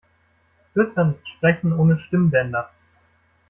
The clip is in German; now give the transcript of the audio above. Flüstern ist Sprechen ohne Stimmbänder.